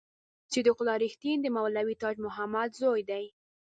صدیق الله رښتین د مولوي تاج محمد زوی دی.